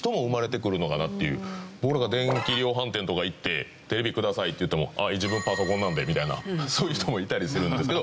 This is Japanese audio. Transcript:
僕なんか電器量販店とか行って「テレビください」って言っても「自分パソコンなんで」みたいなそういう人もいたりするんですけど。